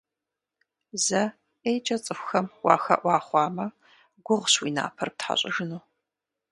Зэ ӀейкӀэ цӀыхухэм уахэӀуа хъуамэ, гугъущ уи напэр птхьэщӀыжыну.